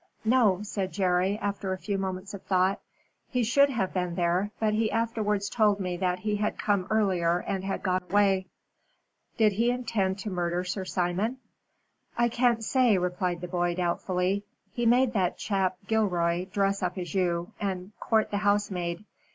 "No," said Jerry, after a few moments of thought. "He should have been there, but he afterwards told me that he had come earlier and had gone away." "Did he intend to murder Sir Simon?" "I can't say," replied the boy, doubtfully. "He made that chap, Gilroy, dress up as you, and court the housemaid.